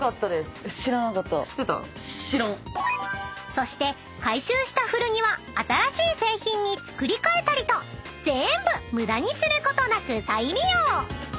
［そして回収した古着は新しい製品に作り替えたりと全部無駄にすることなく再利用］